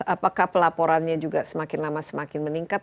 apakah pelaporannya juga semakin lama semakin meningkat